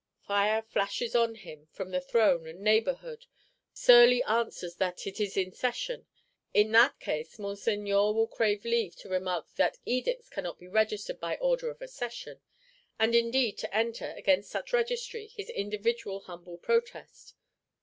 Fire flashes on him from the throne and neighbourhood: surly answer that 'it is a Session.' In that case, Monseigneur will crave leave to remark that Edicts cannot be registered by order in a Session; and indeed to enter, against such registry, his individual humble Protest.